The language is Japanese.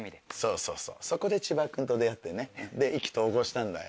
そうそうそこで千葉君と出会って意気投合したんだよ。